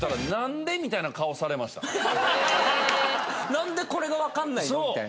なんでこれがわかんないの？みたいな。